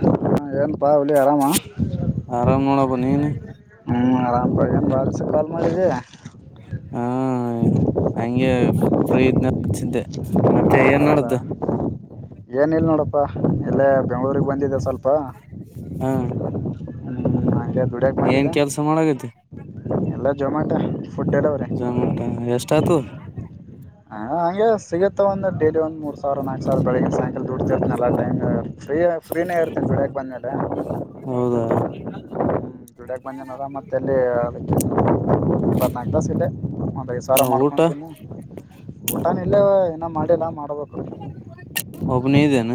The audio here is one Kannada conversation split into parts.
ಹ ಏನಪಾ ಹುಲಿ ಆರಾಮಾ ಆರಾಮ್ ನೋಡಪ್ಪ ನೀನು ಹ್ಮ ಆರಾಮ ಹ ಪ್ರಹನ್ ಭಾಗಸ ಕಾಲ್ ಮಾಡಿದಿ ಹಾ ಹಂಗೆ [unintelligible] ಹಚ್ಚಿದ್ದೆ ಮತ್ತೆ ಏನ್ ಮಾಡಡ್ದು ಏನ್ ಇಲ್ ನೋಡಪ್ಪಾ ಎಲ್ಲ ಬೆಂಗಗಳೂಗ್ ಬಂದ ಸ್ಲ್ಪ [unintelligible] ಹಾ ಹ್ಮ್ಮ್ ಆಯ್ತು ಏನ್ ಕೆಲ್ಸ ಮಾಡಗತಿ ಜಮಾಟ ಜಾಮಟ ಎಷ್ಟ ಆತು ಹ ಹಂಗೆ ಸಿಗುತ್ತ ಒಂದು ಡೇಲಿ ಒಂದ್ ಮೂರ್ ಸಾವಿರ ನಾಲ್ಕ ಸಾವರ ಬೆಳಿಗ್ಿನ ಸಾಯಂಕಲ್ ದುಡ್ತಿರ್ತನಲ್ಲಟಮ್ [unintelligible] ಫ್ರೀಯ ಫ್ರೀಯೇ ಇರುತ್ತೀನ ಬೆಳಿಗ್ಗೆ ಬಂದ್ಮೇಲೆ ಹೌದಾ ದುಡಕ್ ಬಂದನದ ಮತ್ತೆ ಅಲ್ಲಿ ತಾಗತ ಸಿಟ್ಟೆ [inaudible] ಐ ಸಾವ್ರ ಹ ಊಟ ಮಾಡ್ಕೊತೀನಿ ಊಟಾನ ಇಲ್ಲವ ಏನ ಮಾಡಿಲ್ಲ ಮಾಡ್ಬೇಕು ಒಬನೆ ಇದೆನ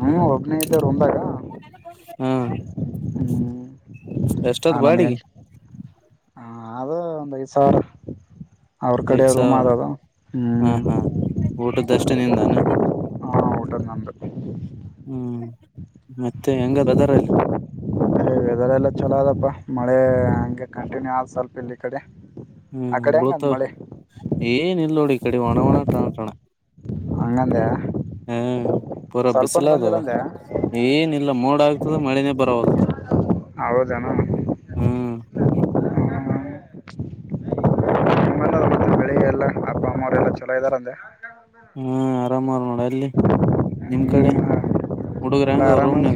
ಹ್ಮ ಒಬ್ನೇ ಇದ್ದೆ ರೂಮ್ದಾಗ ಹಾ ಹ್ಮ್ [inaudible] ಎಷ್ಟದ್ ಬಾಡಿಗೆ ಹ ಅದು ಒಂದ್ ಐದ್ ಸಾವಿರ ಅವ್ರ ಕಡೆ ಐದ್ ರೂಮ್ ಸಾವಿರ ಅದದು ಹ ಹ್ಮ್ ಹಾ ಊಟದ್ದಷ್ಟೆ ನಿಂದ ಅ [unintelligible] ಕಟ ನಂದು [unintelligible] ಹ್ಮ್ ಮತ್ತೆ ಹೆಂಗಾದ ಅದಾರಲ್ಲಿ ವೆದರ್ ಎಲ್ಲ ಚಲೋದಪ್ಪ ಮಳೆ ಹಂಗೆ ಕಂಟಿನ್ಯೂ ಆದ್ ಸ್ವಲ್ಪ ಇಲ್ಲಿ ಕಡೆ ಆ ಕಡೆ ಹೆಂಗಂದ ಹ್ಮಬುಡತಾವ್ ಮಳೆ ಏನ್ ಇಲ್ ನೋಡಿ ಈ ಕಡೆ ಒಣ ಒಣ ಟಾಣ ಟಾಣ ಹಂಗಂದೆ ಹ್ಮ್ ಪೂರಾ ಸ್ವಲ್ಪನು ಬಿಸಲದು ಬಂದಿಲ್ಲ ಅಂದೆ ಏನಿಲ್ಲ ಮೋಡ ಆಗ್ತಾದ ಮಳನೇ ಬರ ಹೊಲ್ತ ಹೌದೇನ ಹ್ಮ್ ಬೆಳಿ ಎಲ್ಲ ಅಪ್ಪ ಅಮ್ಮವರೆ ಎಲ್ಲ ಚಲೋ ಇದ್ದಾರ ಅಂದೆ ಹಾ ಆರಾಮಾರ ನೋಡ ಅಲ್ಲಿ ನಿಮ್ ಕಡೆ ಹುಡುಗರ ಎಲ್ಲ ಹೆಂಗಅವ್ರ ಆರಾಮ ರೂಮ್ನ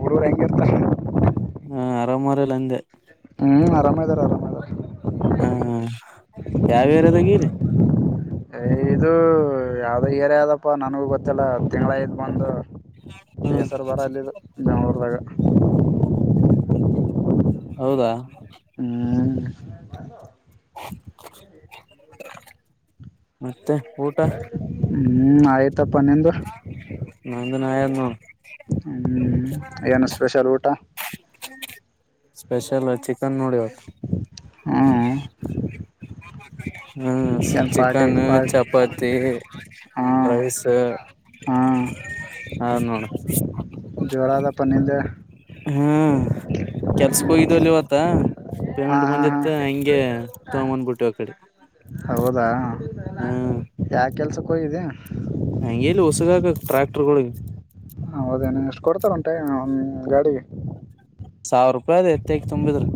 ಮೂರೋ ಎಂಂಗರ್ ತ [inaudible] ಹಾ ಆರಾಮೊರೆಲ್ಲ ಅಂದೆ ಹ್ಮ್ ಆರಾಮದಾರ ಆರಾಮಾರ [inaudible] ಹ ಯಾವ ಏರಿಯಾದಾಗೀರಿ ಏಯ್ ಇದು ಯಾವ್ದ ಏರಿ ಆದಪ್ಪ ನನಗೂ ಗೊತ್ತಲ್ಲ ತಿಂಗಳ್ ಐತ್ ಬಂದು ಹ ಬೇಸರ್ ಬರ ಅಲ್ಲಿದ್ ಬೆಂಗಳೂರದಾಗ ಹೌದಾ ಹ [inaudible] ಹ್ಮ [inaudible] ಮತ್ತೆ ಊಟ ಹ್ಮ್ ಆಯ ತ್ತಪ್ಪನಿಂದು ನ [unintelligible] ಹ್ಮ್ ಏನು ಸ್ಪೆಷಲ್ ಊ ಟ ಸ್ಪೆಷಲ್ ಚಿ ನೋಡಿ ಅವತ್ತು ಹ್ಮ್ [inaudible] ಹ್ಮ್ ಏನ್ ಪಾರ್ಟಿ ಚಿಕನ್ ಪಾರ್ಟಿ ಚಪಾತಿ ಹಾ ರೈಸ್ ಹಾ [inaudible] ಹ ನೋಡಿ ಜೋರಾದ ಪನ್ನಂದೆ ಹ್ಮ ಕೆಲ್ಸಕ್ಕ ಹೋಗಿದ್ ಅಲ್ಲಿ ಇವತ್ತ ಹಾ ಪೇಮೆಂಟ್ ಹಾ ಬಂದಿತ್ತು ಹಂಗೆ ಹಾ ತಗೊ ಬಂದ್ಬಿಟ್ಟ ಟ್ಟು ಅ ಕಡೆ ಹೌದಾ ಯಾ ಕೆಲ್ಸ ಕೋಗಿದೆ ಹಂಗೆಲ್ಲಿ ಹೊಸಗಾಕಕ್ ಟ್ರ್ಯಾಕ್ಟರ್ಗಳಿಗೆ ಹೌದೇನು ಎಷ್ಟು ಕೊಡ್ತಾರ ಉಂಟ ಗಾಡಿಗೆ ಸಾವಿರ ರೂಪಾಯಿ ಅದ ಎತಯ್ಕ್ಕ್ ತುಂಬಿದ್ರಿ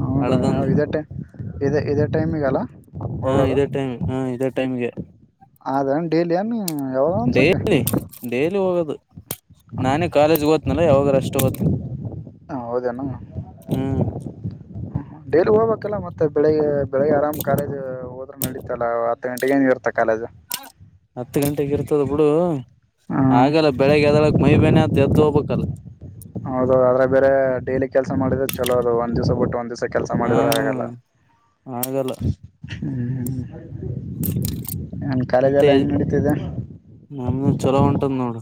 ಹದ ಇದಟ್ಟೆ ಇದೆ ಇದದೆ ಟೈಮ್ಇ ಕಲ್ಲ ಹಾ ಇದೇ ಟೈಮ್ ಹ ಇದೇ ಟೈಮ್ಗೆ ಅದ ಡೇಲಿಯ ನೀ ಡೈಲಿ ಡೈಲಿ ಹೋಗ ನಾನೇ ಕಾಲೇಜ್ ಓ ನಲ್ಲ ಯಾವಾಗಷ್ಟ ಷ್ಟ ಹ್ಮ್ ಡೇಲಿ ಹೋಗ್ಬೇಕಲ್ಲ ಮತ್ತೆ ಬೆಳಿಗ್ಗೆ ಬೆಳಿಗ್ಗೆ ಆರಾಮ್ ಕಾಲೇಜ್ ಹೋದ್ರೆ ನಳತ್ತಲ್ಲ ಹತ್ತು ಗಂಟೆೆಗೆ ಏನ್ ಇರ್ತ್ತ ಕಾಲೇಜ್ ಹತ್ತು ಗಂಟೆೆಗೆ ಇರ್ತದ ಬಿಡು ಹ್ಮ್ ಹಾಗಲ್ಲ ಬೆಳಗ್ಗೆದಳಕ್ ಮೈಬೇನೆ ಅ ಎದ್ದು ದೊ ಬಕಲ್ ಹೌದು ಆದ್ರೆ ಬೇರೆ ಡೈಲಿ ಕೆಲಸ ಮಾಡಿದ್ ಚಲೋ ಅದ ಒಂದ್ ದಿವ್ಸ ಬಿಟ್ ಒಂದ್ ದಿವ್ಸ. ಇಲ್ಲೇ ಕೆಲ್ಸ ಹಾ ಮಾಡಿದ್ರೆ ಆಗಲ್ಲ. ಆಗಲ್ಲ ಹ್ಮ್ ಕಾಲೇಜ್ ಮತ್ತೆ ಎಲ್ಲ ಹೆಂಗ್ ನಡೀತಿದೆ ನಮ್ದ ಚಲೋ ಹೊಂಟದ್ ನೋಡು.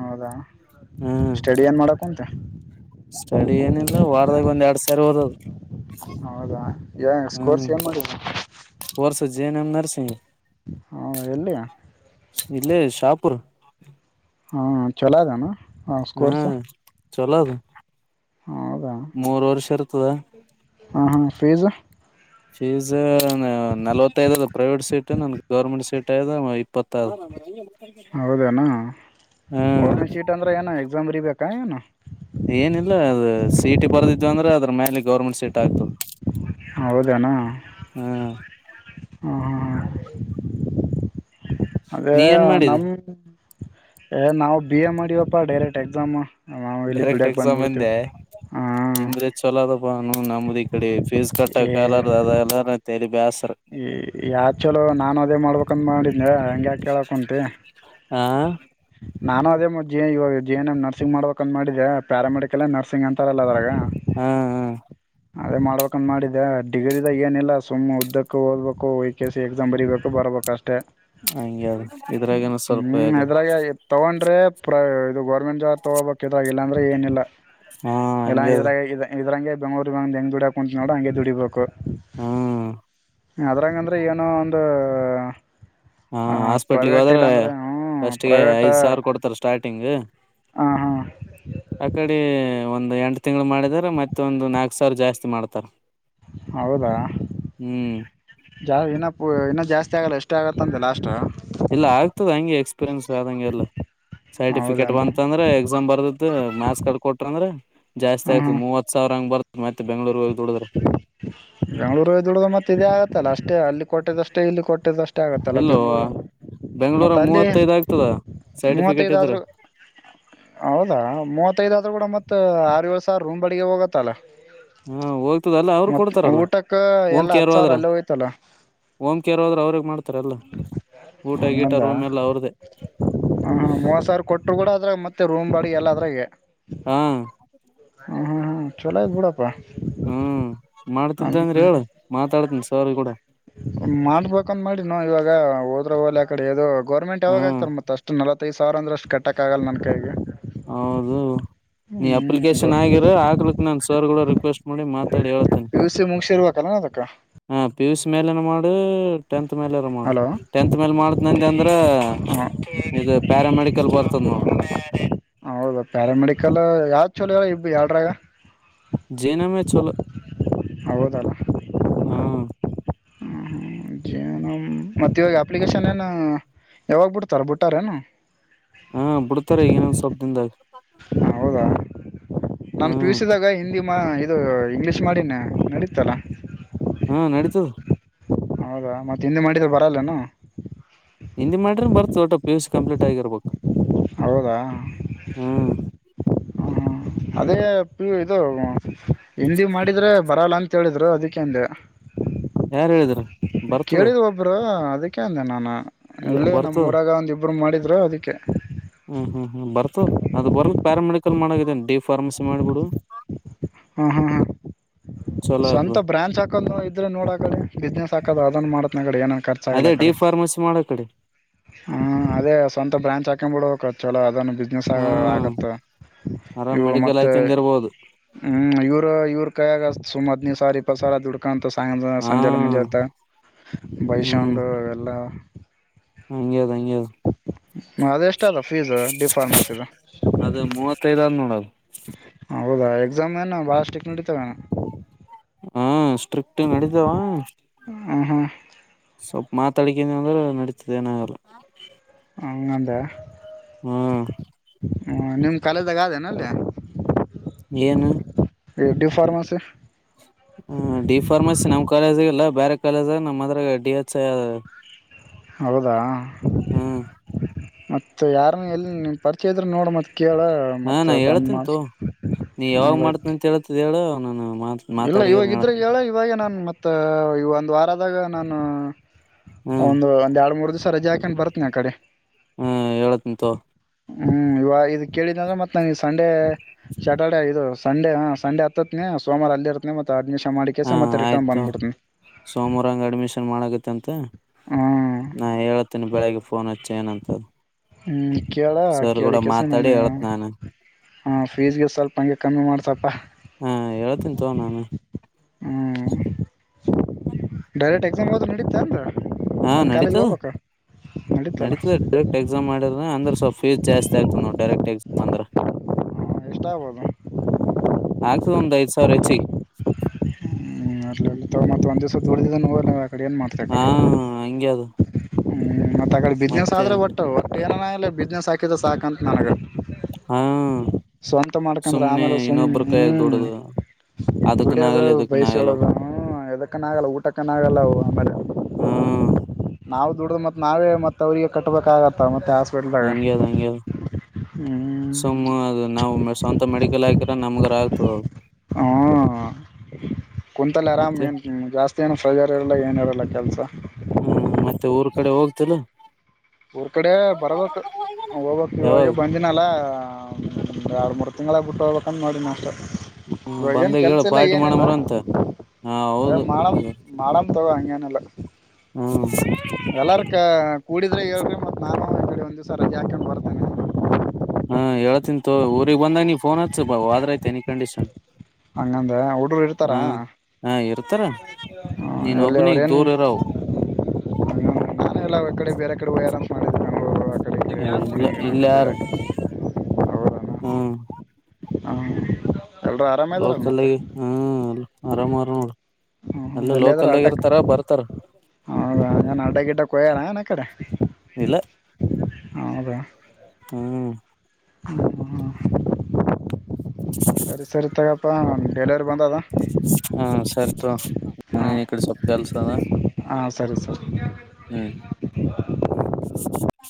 ಹೌದಾ ಹ್ಮ್ ಸ್ಟೇಡಿ ಏನ್ ಮಾಡಕ್ ಉಂತ್. [unintelligible] ಸ್ಟಡಿ ಏನಿಲ್ಲ ವಾರದಾಗ ಒಂದ್ ಎರಡ್ ಸಾರಿ ಹಓದದು ಹೌದಾ ಸ್ಕೋರ್ಸ್ ಏನ್ ಮಾಡುದು ಸುಜಯನಂ ನರ್ಸಿಂಗ್ ಎಲ್ಲಿ ಇಲ್ಲಿ ಶಾಪುರ್. ಓಕೆ ಹಾ ಚಲೋದಾನ ಹಾ ಸ್ಕೋರ್ಸು. ಚಲೋದು ಮೂರ್ ವರ್ಷ ಇರುತ್ ತದ ಹಾ ಹಾ ಫೀಝ ಫೀಸ್ ನಲ್ವತ್ತೈದ ಅದ ಪ್ರೈವೇಟ್ ಸೀಟ್ ನನ್ಗೆ ಗೌರ್ಮೆಂಟ್ ಸೀಟ್ ಅಯ್ದ ಇಪ್ಪತ. ಹೌದೇನಾ ಒಳ್ಮೆ ಶಿಟ್ ಅಂದ್ರೆ ಏನಾಗೈತ್ ಜಂಬ್ರಿ ಬೇಕ ಏನು. ಏನಿಲ್ಲ ಅದು ಸೀಟಿ ಬರ್ದಿದ್ದತ್ತು ಅಂದ್ರೆ ಅದ್ರ ಮ್ಯಾಲ್ ಹೌದೆನಾ ಹ್ಮ್ ಹ ಹ. ಅದೇ ನೀ ಏನ್ ಮಾಡಿದಿ ನಮ್ ಏ ನಾವು ಬಿ ಎ ಮಾಡಿವಪ್ಪಾ ಡೈರೆಕ್ಟ್ ಎಕ್ಸಾಮ್. ಡೈರೆಕ್ಟ್ ಎಕ್ಸಾಮ್ ಎಂದೆ ಹಾಂ ನಿಮ್ದೆ ಚಲೋ ಅದ್ ಹು ನಮ್ಮದ್ ಇಕಡೆ. ಫೀಸ್ ಕಟ್ಟಕಲ್ಲ [unintelligible] ತೇರಿ ಬ್ಯಸ್. ಈ ಯಾತ್ ಚಲೋ ನಾನು ಅದೇ ಮಾಡ್ಬೇಕಂತ ಮಾಡಿ ಹಂಗ್ ಯಾಕ್ ಹೇಳಕ್ ಹೊಂಟಿ. ಹ ನಾನು ಅದೇ ಮಾ ಇವ G G N M nursing ಮಾಡ್ಬೇಕ್ ಅಂತ್ ಮಾಡಿದ್ದಿದೆ ಪ್ಯಾರಾಮೆಡಿಕಲ್ ನರ್ಸಿಂಗ್ ಅಂತಾರಲ್ಲ ಅದ್ರಾಗ. ಹಾ ಹ ಅದೇ ಮಾಡ್ಬೇಕಂದ್ ಮಾಡಿದೆ ಡಿಗ್ರಿದಾಗ ಏನಿಲ್ಲ ಸುಮ್ಮ್ ಉದ್ದಕ್ ದಬೇಕು ಈ ಕೆ ಸಿ ಎಕ್ಸ್ ಬರ್ಬೇಕು ಬರಬೇಕು ಅಷ್ಟೆ. ಹಂಗೆ ಅದ ಇದ್ರಾಗನ ಸ್ವಲ್ಪ ಹ್ಮ್ ಅದ ಇದ್ರಾಗ ತಗೊಂಡ್ ಅಂದ್ರೆ ಪ್ರ ಇದು ಗೌರ್ಮೆಂಟ್ ಜಾಬ್ ತೊಗೋಬೇಕಕ್ ಇದಾಗಿಲ್ಲ ಅಂದ್ರೆ ಏನಿಲ್ಲ ಹಾ ಇಲ್ಲ ಹಂಗೆ ಅದ ಇದ್ರಾಗ ಇದ ಇದ್ರಂಗೆ ಬೆಂಗ್ರು ಹೆಂಗ ದುಡಕ ಕುಂತ ನೋಡ ಹಂಗೆ ದುಡಿಬೇಕು ಹಾ ಅದ್ರಂಗಂದ್ರೆ ಏನೋ ಒಂದು ಹಾ ಹಾಸ್ಪಿಟ್ಲ್ಗೆ ಪ್ರೈವೇಟ್ ಹೋದ್ರೆ ಇಲ್ಲಾಂದ್ರೆ ಹ್ಮ್ ಫಸ್ಟ್ಗೆ ಪ್ರೈವೇಟ್ ಐದ್ ಸಾವಿರ ಕೊಡ್ತಾರ ಸ್ಟಾರ್ಟಿಂಗ್ ಹ ಹಾ ಆ ಕಡೆ ಒಂದಂದು ಎಂಟು ತಿಂಗ್ಗಳು ಮಾಡಿದಾರ ಮತ್ತೆ ಒಂದು ನಾಲ್ಕ್ು ಸಾವಿರ ಜಾಸ್ತಿ ಮಾಡ್ತಾರ ಹೌದಾ ಹ್ಮ್ ಜಾ ಇನ್ನ ಪು ಜಾಸ್ ಷ್ಟೇ ಎಷ್ಟ ಆಗತ್ತ ಅಂತಲ. ಇಲ್ಲ ಆಗ್ತದೆ ಹಂಗೆ ಎಕ್ಸ್ಪೀರಿಯನ್ಸ್ಂಗೆ ಎಲ್ಲ ಸರ್ಟಿಫಿಕೇಟ್ ಹೌದೇನು ಬಂತ ಅಂದ್ರೆ ಎಕ್ಸಾಮ್ ಬರ್ದ ಮಾರ್ಕ್ಸ್ ಕಟ್ಟಕ ಕೊಟ್ರ ಅಂದ್ರೆ ಜಾಸ್ತಿ ಆಗ್ತದ ಮೂವತ್ ಸಾವ್ರ ಹಂಗ್ ಬರ್ ಬೆಂ್ಗಳೂರು ದುಡುದು ಮತ್ತೆ ಇದೇ ಆಗತ್ತಲ್ಲ ಅಷ್ಟೇ ಅಷ್ಟೇ ಅಲ್ಲಿ ಕೊಟ್ಟದಷ್ಟೇ ಇಲ್ಲಿ ಕೊಟ್ಟದಷ್ಟೇ ಅಷ್ಟ ಆಗತ್ತಲ್ಲ ಇಲ್ಲೋ ಬೆಂಗಳೂರು ಬೆಂಗ್ಳೂರ ಮತ್ತ ಅಲ್ಲಿ ಮೂವತ್ತೈದ್ ಆಗ್ತದ ಸರ್ಟಿಫಿಕೇಟ್ ಮೂವತ್ತೈದ ಇದ್ರ ಆದ್ರು ಹೌದಾ ಮೂವತ್ತೈದ ಆದ ಕೂಡ ಮತ್ತತ್ ಆರುಸ ರೂಮ್ ಬಳಿಗೆ ಹೋಗತ್ತಲ್ಲ ಹಾ ಹೋಗ್ತದ ಅಲ್ಲ ಅವ್ರ ಮತ್ ಕೊಡ್ತಾರಲ್ಲ ಊಟಕ್ಕ ಎಲ್ಲಾ ಓಂಕರ್ ಹತ್ ಸಾವಿರ ಹದ್ರ ಅಲ್ಲೇ ಹೋಯ್ತಲ್ಲ ಓಮ ಕೇರ್ ಹದ್ರ ಅವ್ರಗ್ ಮಾಡ್ತಾರಲ್ಲ ಊಟ ಗೀಟ ಹಂಗಂದ ರೂಮ್ ಎಲ್ಲ ಅವ್ರ್ದೇ ಮತ್ತ ರೂಮ್ ಬಾಡಿ ಎಲ್ಲದ್ರೆ ಹಾ ಹ ಹಾಂ ಹಾಂ ಚೊಲಾಯ ಗೋಡಾಪ್ಪ ಹ್ಮ್ ಮಾಡ್ತಿದ್ದ ಅಂದ್ರೆ ಹೇಳ ಮಾತಾಡ್ತನ ಸರ್ ಕೂಡ ಮಾಡ್ಬೇಕಂದ್ ಇವಾಗ ಹೋದ್ರ ಹೋಲ್ ಆ ಕಡೆ ಯದು ಹಾ ಗೌರ್ಮೆಂಟ್ಾವಾಗಗ್ತಾರೆ ಮತ್ತಷ್ಟ ನಲ ದು ಸಾವರ ಅಂದ್ರಷ್ಟು ಕಟ್ಟಕ್ಕಗಲ್ಲ ನನ್ನ ಕೈಗೆ ಹೌದು ನೀ ಹ್ಮ್ ಅಪ್ಲಿಕೇಶನ್ ಆಗಿರ ಹಕ್ಲಿಕ್ ನಾನ್ ಸರ್ಗಳೂ ರಿಕ್ವೆಸ್ಟ್ ಮಾಡಿ ಮಾತಾಡಿ ಹೇಳ್ತೇನಿ ದುಸಿ ಮುಗಸೆರ್ರುವಲ್ಲ ಅದಕ್ಕ ಪಿಯೂಷ ಮೇಲನ್ ಅವಮ್ಮ ಟೆಂತ್ ಮೇಲೆಾರ ಮಾಡ ಹಲೋ ಟೆಂತ್ ಮೇಲ್ ಮಾಡ ನಂದ ಅಂದ್ರ ಹ ಇದು ಪ್ಯಾರಾಮೆಡಿಕಲ್ ಬರ್ತದ ನೋಡ ಮ ರ ಹೌದಾ ಪ್ಯಾರಾಮೆಡಿಕಲ್ ಯಾವ್ ಚಲಾರ ಇಬ್ ಎಡರಾಗ ಜೇನಮೇ ಚಲ ಹಬೋದ ಮತ್ತ ಇವಾಗ ಅಪ್ಲಿಕೇಶನ್ ಏನ ಯಾವಾಗ್ ಬಿಡ್ತಾರ ಬಿಟ್ಟಾರೇನು ಹಾ ಬಿಡ್ತಾರೆ ಇನೊಂದ ಸ್ವಪ್ ದಿಂದಾಗ ನಮ ತಿೀಳಸಿದಾಗ ಹಿಂದಿ ಇದು ಇಂಗ್ಲಿೀಷ್ ಮಾಡಿನ ನಡತಲ್ಲ ಹಾ ನಡೀತು ಹೌದಾ ಮತ್ತೆ ಹಿಂದ ಮಾಡಿದ್ರ ಬರಲ್ಲನ ಹಿಂದಿ ಮಾಡ್ರಿ ಬರ್ತ್ ತೋಟಪ್ಪ ಕಂಪ್ಲೀಟ್ ಆಗಿರ್ಬೇಕು ಹೌದಾ ಹ್ಮ್ ಹ ಅದೇ ಪ ಇದು ಹಿಂದಿ ಮಾಡಿದ್ರೆ ಬರಲ್ಲ ಅಂತ ಹೇಳಿದ್ರು ಅದಕ್ಕೆ ಅಂದೇ ಯಾರ ಹೇಳಿದರು ಕೇಳಿದ್ ಒಬ್ಬರು ಅದಕ್ಕೆ ಅಂದೇ ನಾನು ಇಲ್ಲ ಇಲ್ಲಿ ನಮ್ಮ್ ಬರ್ತದ ಊರಾಗ ಒಂದು ಒಬ್ರು ಮಾಡಿದ್ರು ಅದಕ್ಕೆ ಹ್ಮ್ ಹ್ಮ್ ಹ್ಮ್ ಬರ್ತದ ಅದು ಬರ್ಲಕ್ ಪ್ಯಾರಾಮೆಡಿಕಲ್ ಮಾಡಿದೇ ಡಿ ಫಾರ್ಮಸಿ ಮಾಡ್ಬಿಡು ಹಾ ಹಾ ಹಾ ಚಲೋ ಆತದ ಸ್ವಂತ ಬ್ರಾಂಚ್ ಹಾಕದು ಇದ್ರೆ ನೋಡಕ ಬಿಸ್ನೆಸ್ ಹಾಕದು ಅದನ್ ಮಾಡತ್ನ ಏನನ್ ಖರ್ಚ ಆಗಲ್ಲ ಅದೇ ಆ ಡಿ ಕಡೆ ಫಾರ್ಮಸಿ ಮಾಡ ಕಡೆ ಹ ಅದೇ ಸ್ವಂತ ಬ್ರಾಂಚ್ ಹಾಕ ಬಿಡಬೇಕು ಚಲೋ ಅದನ ಬಿಸ್ನೆಸ್ ಆ ಹಾ ಆಗತ್ತ ಆರಾಮ್ ಇವು ಮೆಡಿಕಲ್ ಮತ್ತೆ ಹಾಕಂದ ಇರ್ಬೋದು ಹ್ಮ ಇವ್ರ ಇವ್ರ ಕೈಯಾಗ ಸುಮ್ ಅದ್ನೈದ್ ಸಾವಿರ ಇಪ್ಪತ್ಸಾವಿರ ದುಡ್ಡಕಾಂತ ಸಾಯ ಹಾ ಸಂಜೆಲ್ಲ ಮುಂಜೆತ ಬೈಸೆಂದು ಅವೆಲ್ಲ ಹಂಗೆ ಅದ ಅದೆಷ್ಟ ಅದ ಫೀಸ್ ಡಿ ಫಾರ್ಮಸಿದು ಅದ ಮೂವತ್ತೈದ್ ಆದ್ ನೋಡದು ಹೌದಾ ಎಕ್ಸಾಮ್ ಏನು ಭಾಳ ಸ್ಟಿಕ್ ನೆಡಿತಾವೇನು ಹಾ ಸ್ಟ್ರಿಕ್ಟ್ ನೆಡೀತಾವ ಹ್ಮ್ ಹ್ಮ್ ಸ್ವಲ್ಪ ಮಾತಾಡಿಕನಿ ಅಂದ್ರೆ ನಡೀತದ ಏನ ಆಗಲ್ಲ ಹಂಗಂದ್ಯಾ ಹ್ಮ್ ಹ ನಿಮ್ ಕಾಲೇದಾಗ ಅದೇನ ಅಲ್ಲಿ ಏನು ಡಿ ಫಾರ್ಮಾಸಿ ಹ್ಮ ಡಿ ಫಾರ್ಮಸಿ ನಮ್ಮ್ ಕಾಲೇಜಿಗೆ ಇಲ್ಲ ಬೇರೆ ಕಾಲೇಜ್ ದ ನಮ್ಮದ್ರಗ ಡಿ ಎಚ್ ಐ ಹೌದಾ ಹ್ಮ್ ಮತ್ತ ಯಾರನ್ನ ಎಲ್ಲಿನ್ ಪರಿಚಯ ಇದ್ರೆ ನೋಡ ಮತ್ತೆ ಕೇಳ ಹಾ ನಾ ಮತ್ತ ಹೇಳ್ತನ್ ಬಂದ್ಮ ತೋ ಹೌದ ಆ ನಾನು ಮಾತ್ ಇಲ್ಲ ಮಾತಾಡಿರ ಇವಾಗ ಇದ್ರ ಹೇಳ್ತನಿ ಹೇಳ ಇವಾಗ ನಾನ್ ಮತ್ತ ಈಗ ಒಂದ್ ವಾರದಾಗ ನಾನು ಹ್ಮ್ ಒಂದು ಒಂದ್ ಎರಡು ಮೂರು ದಿವಸ ರಜಾಕೆಂಡ್ ಬರ್ತ್ನ ಆ ಕಡೆ ಹ್ಮ ಹೇಳತ್ನ ತೋ ಹ್ಮ್ ಇವ ಇದು ಕೇಳಿದ್ದ ಅಂದ್ರೆ ಮತ್ತತ್ ನಾನ ಈ ಸಂಡೆ ಸ್ಯಾಟರ್ಡೆೇ ಇದು ಸಂಡೆ ಹ ಸಂಡೆ ಹತ್ತತ್ತನೇ ಸೋಮಾರ ಅಲ್ಲಿ ಇರ್ತ ಮತ್ತದ ಹಾ ಆಯ್ತು ಸೋಮವಾರ ಹಂಗ ಅಡ್ಮಿಷನ್ ಮಾಡಗತ್ತ ಅಂತ ಹ್ಮ್ ನಾ ಹೇಳೇತೇನಿ ಬೆಳಿಗ್ಗೆ ಫೋನ್ ಹಚ್ಚ ಏನಂತರೆ ಹ್ಮ್ ಕೇಳ ಕೇಳಿಕಸ ನನ್ ಹೇಳತ್ ನಾನು ಹ ಫೀಸ್ಗೆ ಸ್ವಲ್ಪ ಹಂಗೆ ಕಮ್ಮಿ ಮಾಡ್ತಪ್ಪ ಹಾ ಹೇಳ್ತನ್ ತೋ ನಾನು ಹ್ಮ ಡೈರೆಕ್ಟ್ ಎಕ್ಸಾಮಗ್ವಾದರ ನಡಿತದಾಂದರ ಹಾ ನಡೀತದ ನಡೀತಲ್ಲ ನಡೀತದೆ ಡೈರೆಕ್ಟ್ ಎಕ್ಸಾಮ್ ಮಾಡಿದ್ರೆ ಅಂದ್ರೆ ಸ್ವಲ್ ಫೀಸ್ ಜಾಸ್ತಿ ಆಗ್ತದೆ ನಾವು ಡೈರೆಕ್ಟ್ ಎಕ್ಸಾಮ್ ಅಂದ್ರೆ ಎಷ್ಟ ಆಗ್ಬೋದು ಆಗ್ತದ ಒಂದು ಐದು ಸ ಸರಚಿ ಹ್ಮ್ ಇರ್ಲಿ ಇರ್ಲಿ ತೊಗೋ ಮತ್ತೆ ಒಂದು ದಿವಸ ತಗೊಂಡಿದ್ದೇನು ಏನು ಮಾಡ್ತೀಯಾ ಹಾ ಆಕಡೆ ಹ್ಮ್ಮ್ ಹಂಗೆ ಅದು ಮ ತಗ ಬಿಸ್ನೆಸ್ ಮತ್ತೆ ಆದ್ರೆ ಒಟ್ಟ ಒಟ್ಟು ಏನನ ಇಲ್ಲ ಬಿಸ್ನೆಸ್ ಹಾಕಿದ ಸಾಕ ಅಂತ ನನಗ ಹಾ ಸ್ವಂತ ಮಾಡ್ಕಂದ್ರ ಸುಮ್ನೆ ಆಮೇಲೆ ಸುಮ್ ಇನ್ನೊಬ್ರ ಕೈಯಾಗ ಹ್ಮ ದುಡದು ಅದಕ್ಕನ ದುಡಿಯದ ಆಗಲ್ಲ ಇದಕ್ಕನ ಬೈಸ ಆಗಲ್ಲ ಹೇಳದ ಅವು ಹ್ಮ ಎದಕ್ಕನಾಗಲ್ಲ ಊಟಕ್ಕನಾಗಲ್ಲ ಆಮೇಲೆ ಹ್ಮ್ ನಾವು ದುಡ್ದ ಮತ್ ನಾವೇ ಮತ್ತ ಅವ್ರರಿಗೆ ಕಟ್ಟಬೇಕಾಗತ್ತ ಮತ್ತೆ ಹಾಸ್ಪಿಟ್ಲ್ದಾಗ ಹಂಗೆ ಅದ ಹಂಗೆ ಅದ ಹ್ಮ್ ಸುಮ್ಮ ಅದು ನಾವು ಮತ್ತ ಸ್ವಂತ ಮೆಡಿಕಲ್ ಹಾಕಿರ ನಮಗರ್ ಆಗ್ತದ ಅದು ಹ್ಮ ಕುಂತಲ್ಲಿ ಆರಾಮ್ ಮತ್ತೆ ಏನ್ ಜಾಸ್ತಿ ಏನು ಪ್ರೆಶರ್ ಇರಲ್ಲ ಏನ್ ಇರಲ್ಲ ಕೆಲಸ ಹ್ಮ್ ಮತ್ತೆ ಊರ್ ಕಡೆ ಹೋಗ್ತೇನೀ ಊರ್ ಕಡೆ ಬರ್ಬೇಕು ಹೋಗ್ಬಬೇಕ್ ಇವಾಗೆ ಯಾವಾಗ ಬಂದಿನಲ್ಲ ಹಾ ಎರಡು ಮೂರು ತಿಂಗಳಾಗ್ಬಿಟ್ಟು ಹೋಗಬೇಕಂತ ಮಾಡಿನಿ ಅಷ್ಟೇ ಇವಾಗೆನ್ ಬಂದಾಗ ಹೇಳ ಕೆಲ್ಸ ಎಲ್ಲ ಪಾರ್ಟಿ ಏನಿಲ್ಲ ಮಾಡಮ್ರ ಅಂತ ಹಾ ಅದೇ ಹೌದು ಮಾಡಮ್ಮ್ ಮಾಡಮ್ಮ್ ತಗೋ ಏನಿಲ್ಲ ಹ್ಮ್ ಎಲ್ಲಾದಕ್ಕ ಹುಡಿ ಆದರೆೆ ಹೇಳಬೇಕು ಮತ್ತು ನಾನು ಈ ಕಡೆ ಒಂದು ದಿಸ ರಜಾ ಹಾಕ್ಕೆಂಡ ಬರ್ತೇನೆ ಹಾ ಹೇಳ್ತೀನಿ ತಗೋ ಊರಿಗ್ ಬಂದಾಗ ನೀ ಫೋನ್ ಹಚ್ಚು ಬ ಹೋದ್ರೆ ಆಯ್ತು ಎನಿ ಕಂಡೀಷನ್ ಹಂಗಂದ ಹುಡಗರು ಇರ್ತಾರ ಹಾ ಹಾ ಇರ್ತಾರ ನೀನ್ ಎಲ್ಲಿ ಅವ್ರ ಒಬ್ಬನಿಗ್ ಏನ್ ದೂರ ಇರವು ನಾನ ಎಲ್ಲದಕ್ಕೂ. ಬೇರೆ ಕಡೆ ಹೋಗ್ಯಾರ ಅಂತ ಮಾಡಿದ್ದೆ ಬೆಂಗಳೂರು ಆ ಕಡೆ ಈ ಹ ಕಡೆ ಇಲ್ಲ ಪುಣೆ ಗಿಣೆ ಹಾಕ ಇಲ್ಲಿ ಯಾರು ದುಡ್ಯಾಕ ಹ್ಮ್ ಹ ಲೋಕಲಾಗಿ ಹ್ಮ್ ಆರಾಮಾರ ನೋಡ್ರಿ ಹ್ಮ್ ಎಲ್ಲ ಎಲ್ಲಿಯಾದ್ರೂ ಲೋಕಲ್ ಆಗ ಅಡ್ಡಕ್ ಇರ್ತಾರ ಬರ್ತಾರ ಹೌದಾ ಏನು ಅಡ್ಡ ಗಿಡ್ಡ ಕೊಯ್ಯಾರ ಏನು ಆ ಕಡೆ ಇಲ್ಲ ಹೌದಾ ಹ್ಮ್ ಹ ಸರಿ ಸರಿ ತಗ ಅಪ್ಪ ಡೇಲಿವರಿ ಬಂದದಾ ಹಾ ಸರಿ ತೊಗೊ ಹಾ ಕೆಲ್ಸಾ ನಾ ಹಾ ಸರಿ ಸರಿ